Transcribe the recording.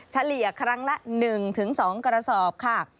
เฉลี่ยครั้งละ๑๒กระสอบค่ะ